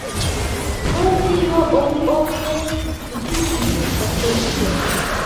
Pro tio oni ofte kritikis la serion.